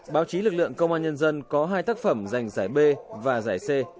báo chí lực lượng công an nhân dân có hai tác phẩm giành giải b và giải c